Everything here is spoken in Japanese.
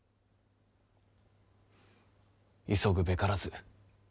「急ぐべからず」。